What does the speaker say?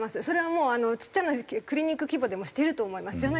それはもうちっちゃなクリニック規模でもしてると思います。